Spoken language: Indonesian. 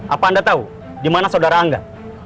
apa anda tahu di mana saudara angga